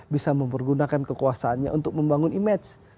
bisa mempergunakan kekuasaannya untuk membangun image